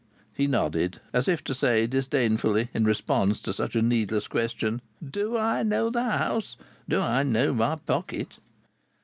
He nodded as if to say disdainfully in response to such a needless question: "Do I know the house? Do I know my pocket?"